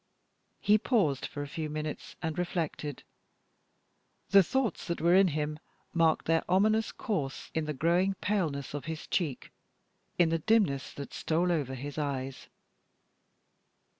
He paused for a few minutes, and reflected. The thoughts that were in him marked their ominous course in the growing paleness of his cheek, in the dimness that stole over his eyes.